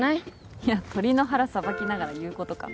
いや鶏の腹さばきながら言うことか？